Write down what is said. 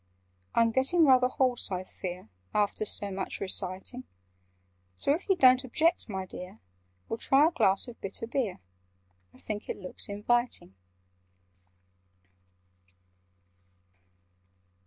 "I'm getting rather hoarse, I fear, After so much reciting: So, if you don't object, my dear, We'll try a glass of bitter beer— I think it looks inviting."